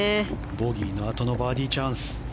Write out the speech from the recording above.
ボギーのあとのバーディーチャンス。